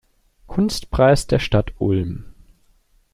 Kunstpreis der Stadt Ulm.